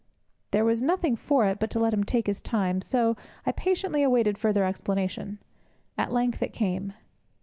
There was nothing for it but to let him take his time, so I patiently awaited further explanation. At length it came.